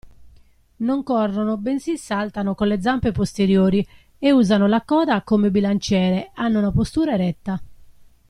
Non corrono bensì saltano con le zampe posteriori e usano la coda come bilanciere hanno una postura eretta.